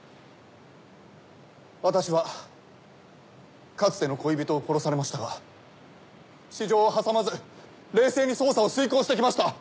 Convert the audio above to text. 私はかつての恋人を殺されましたが私情を挟まず冷静に捜査を遂行して来ました。